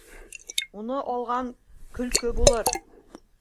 Уны алған көлкө булыр.